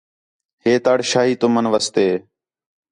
ہے تڑ شاہی تُمن واسطے